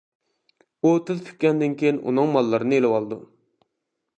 ئۇ تېز پۈككەندىن كىيىن ئۇنىڭ ماللىرىنى ئېلىۋالىدۇ.